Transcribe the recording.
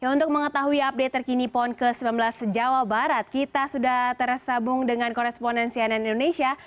untuk mengetahui update terkini pon ke sembilan belas jawa barat kita sudah tersambung dengan koresponen cnn indonesia